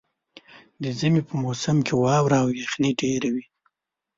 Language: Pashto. د ژمي په موسم کې واوره او یخني ډېره وي.